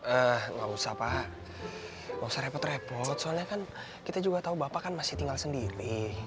ah nggak usah pak nggak usah repot repot soalnya kan kita juga tahu bapak kan masih tinggal sendiri